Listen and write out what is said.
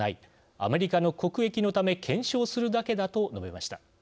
アメリカの国益のため検証するだけだ」と述べました。